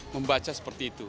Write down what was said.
membaca seperti itu